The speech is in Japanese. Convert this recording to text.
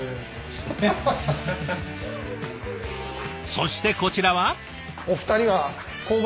そしてこちらは。